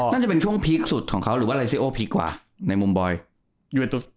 น่าจะเป็นช่วงพีคสุดของเขาหรือว่าไลซีโอพีคกว่าในมุมบอยยูเอ็ตุ